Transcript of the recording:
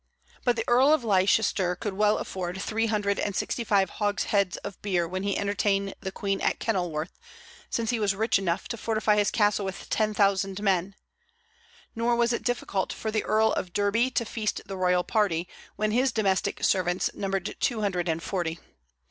But the Earl of Leicester could well afford three hundred and sixty five hogsheads of beer when he entertained the Queen at Kenilworth, since he was rich enough to fortify his castle with ten thousand men; nor was it difficult for the Earl of Derby to feast the royal party, when his domestic servants numbered two hundred and forty.